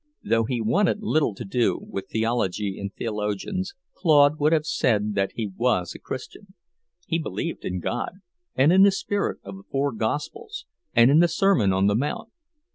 Though he wanted little to do with theology and theologians, Claude would have said that he was a Christian. He believed in God, and in the spirit of the four Gospels, and in the Sermon on the Mount.